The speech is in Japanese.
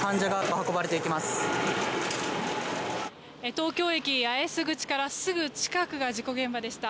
東京駅八重洲口からすぐ近くが事故現場でした。